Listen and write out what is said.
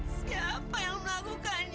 siapa yang melakukan ini